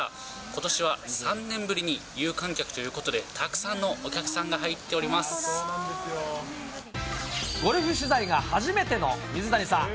ことしは３年ぶりに有観客ということで、たくさんのお客さんが入ゴルフ取材が初めての水谷さん。